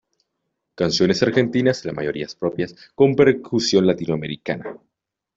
Canciones argentinas ―la mayoría propias― con percusión latinoamericana.